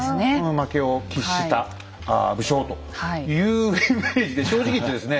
負けを喫した武将というイメージで正直言ってですね